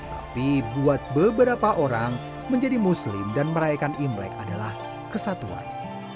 tapi buat beberapa orang menjadi muslim dan merayakan imlek adalah kesatuan